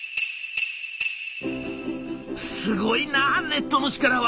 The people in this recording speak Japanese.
「すごいなネットの力は。